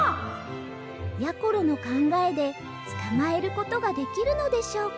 やころのかんがえでつかまえることができるのでしょうか？